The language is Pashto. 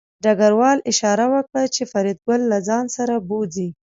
ډګروال اشاره وکړه چې فریدګل له ځان سره بوځي